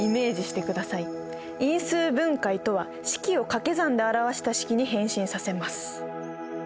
因数分解とは式をかけ算で表した式に変身させます。